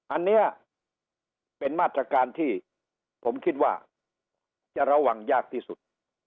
อันนี้เป็นมาตรการที่ผมคิดว่าจะระวังยากที่สุด